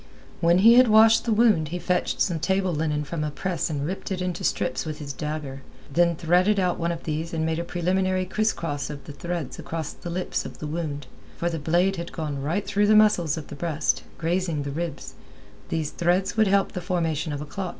When he had washed the wound he fetched some table linen from a press and ripped it into strips with his dagger; he threaded out one of these and made a preliminary crisscross of the threads across the lips of the wound—for the blade had gone right through the muscles of the breast, grazing the ribs; these threads would help the formation of a clot.